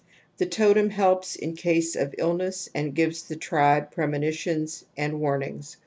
The totem helps in case of illness and gives the tribe premonitions and warnings.